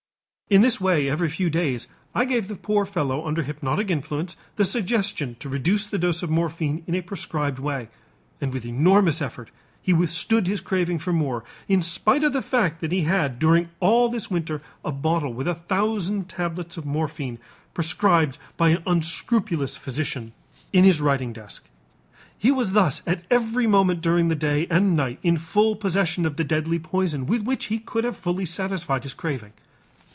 In this way every few days I gave the poor fellow under hypnotic influence the suggestion to reduce the dose of morphine in a prescribed way, and with enormous effort he withstood his craving for more, in spite of the fact that he had during all this winter a bottle with a thousand tablets of morphine, prescribed by an unscrupulous physician, in his writing desk. He was thus at every moment during the day and night in full possession of the deadly poison with which he could have fully satisfied his craving.